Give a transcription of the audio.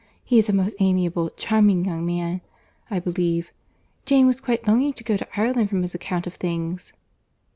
He is a most amiable, charming young man, I believe. Jane was quite longing to go to Ireland, from his account of things."